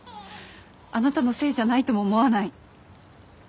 あなたのせいじゃないとも思わない。